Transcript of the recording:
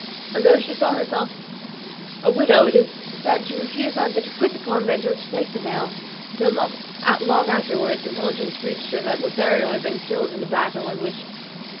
Although she saw herself a widow, it is said she refused either to quit the convent or take the veil, until, not long afterwards, intelligence reached her that Lothario had been killed in a battle in which M.